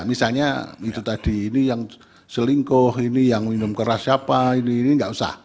misalnya itu tadi ini yang selingkuh ini yang minum keras siapa ini ini nggak usah